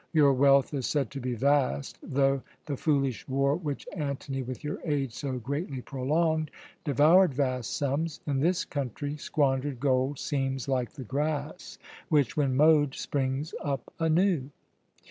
Your wealth is said to be vast, though the foolish war which Antony, with your aid, so greatly prolonged, devoured vast sums. In this country squandered gold seems like the grass which, when mowed, springs up anew."